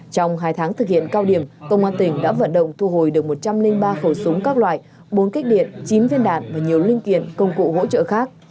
trong hai tháng thực hiện cao điểm công an tỉnh đã vận động thu hồi được một trăm linh ba khẩu súng các loại bốn kích điện chín viên đạn và nhiều linh kiện công cụ hỗ trợ khác